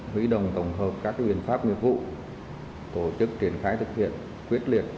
hủy động tổng hợp các quyền pháp nghiệp vụ tổ chức triển khai thực hiện quyết liệt